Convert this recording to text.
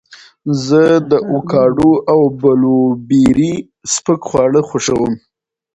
زه د اوکاډو او بلوبېري سپک خواړه خوښوم.